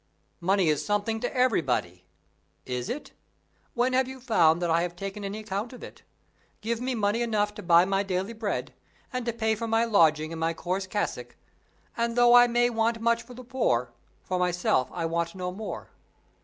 "Money is something to everybody." "Is it? When have you found that I have taken any account of it? Give me money enough to buy my daily bread, and to pay for my lodging and my coarse cassock, and though I may want much for the poor, for myself I want no more.